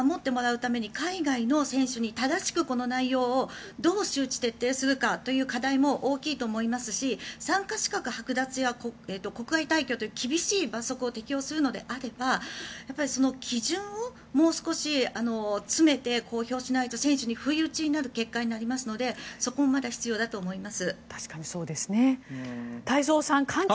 そういう意味ではこれを守ってもらうために海外の選手に正しく内容をどう周知・徹底するかという課題も大きいと思いますし参加資格はく奪や国外退去という厳しい罰則を適用するのであればその基準をもうちょっと詰めて公表しないと選手に不意打ちになる結果になるのでそこもまた必要だと思います。